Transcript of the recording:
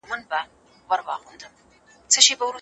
ما خپل غږ د ثبتولو لپاره تیار کړی دی.